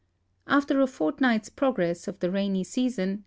After a fortnight's progress of the rainy season?